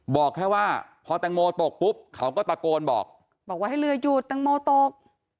บอกแค่ว่าพอแตงโมตกปุ๊บเขาก็ตะโกนบอกบอกว่าให้เรือหยุดตังโมตก